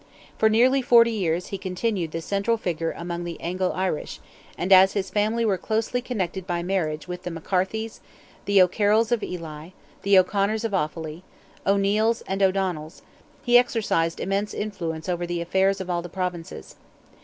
For nearly forty years he continued the central figure among the Anglo Irish, and as his family were closely connected by marriage with the McCarthys, O'Carrolls of Ely, the O'Conors of Offally, O'Neils and O'Donnells, he exercised immense influence over the affairs of all the Provinces.